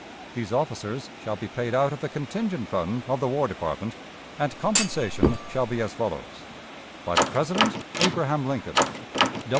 These officers shall be paid out of the contingent fund of the War Department, and compensation shall be as follows. "By the President: ABRAHAM LINCOLN.